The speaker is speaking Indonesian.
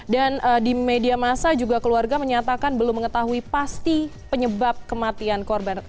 dan di media massa juga keluarga menyatakan belum mengetahui pasti penyebab kematian korban